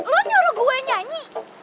lo nyuruh gue nyanyi